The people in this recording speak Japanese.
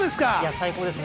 最高ですね。